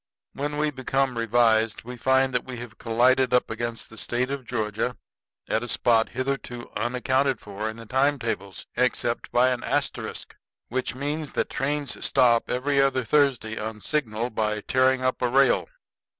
When we become revised, we find that we have collided up against the State of Georgia at a spot hitherto unaccounted for in time tables except by an asterisk, which means that trains stop every other Thursday on signal by tearing up a rail.